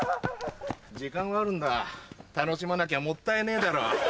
時間があるんだ楽しまなきゃもったいねえだろ。